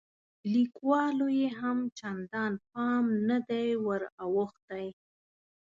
لیکوالو یې هم چندان پام نه دی وراوښتی.